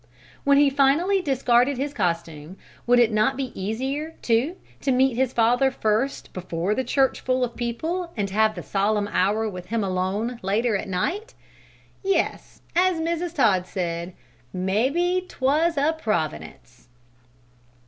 When he finally discarded his costume, would it not be easier, too, to meet his father first before the church full of people and have the solemn hour with him alone, later at night? Yes, as Mrs. Todd said, "Mebbe 'twas a Providence!"